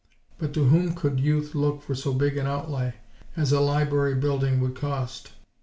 But to whom could Youth look for so big an outlay as a library building would cost?